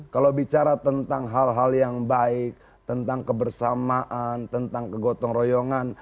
kalau bicara tentang hal hal yang baik tentang kebersamaan tentang kegotong royongan